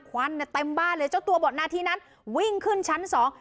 ควันเนี่ยเต็มบ้านเลยเจ้าตัวบอกหน้าที่นั้นวิ่งขึ้นชั้นสอง